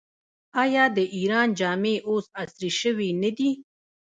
آیا د ایران جامې اوس عصري شوې نه دي؟